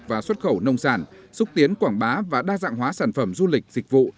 và xuất khẩu nông sản xúc tiến quảng bá và đa dạng hóa sản phẩm du lịch dịch vụ